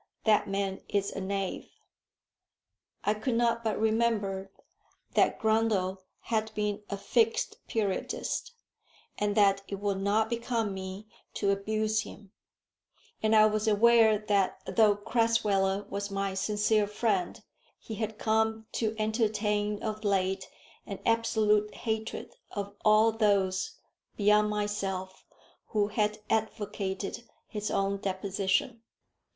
That man is a knave." I could not but remember that Grundle had been a Fixed Periodist, and that it would not become me to abuse him; and I was aware that though Crasweller was my sincere friend, he had come to entertain of late an absolute hatred of all those, beyond myself, who had advocated his own deposition.